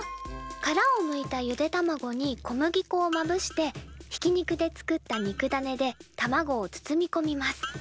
からをむいたゆで卵に小麦粉をまぶしてひき肉で作った肉だねで卵を包みこみます。